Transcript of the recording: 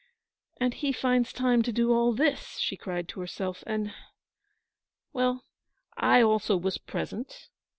'And he finds time to do all this,' she cried to herself, 'and ... well, I also was present.